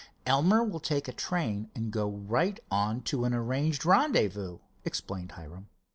"Elmer will take a train and go right on to an arranged rendezvous," explained Hiram.